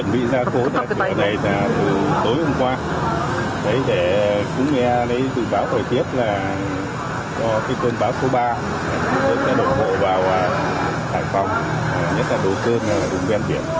mình chuẩn bị ra cố nhà cửa này từ tối hôm qua để cũng nghe lấy tự báo thời tiết là cơn bão số ba đổ bộ vào hải phòng nhất là đồ sơn đúng ghen biển